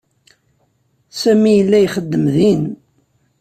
Sami yella ixeddem din.